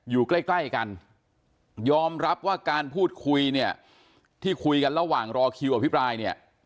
อยู่ใกล้ใกล้กันยอมรับว่าการพูดคุยเนี่ยที่คุยกันระหว่างรอคิวอภิปรายเนี่ย